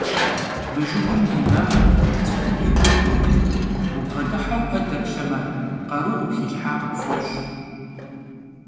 Мы жыгым и инагъым цӀыхум и гур доин, убгъэдыхьэу Ӏэ дэплъэмэ, къару къыпхилъхьа къыпфӀощӀ.